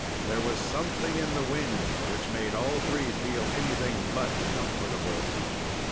There was something in the wind which made all three feel anything but comfortable.